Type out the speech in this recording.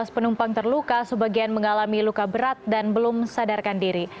lima belas penumpang terluka sebagian mengalami luka berat dan belum sadarkan diri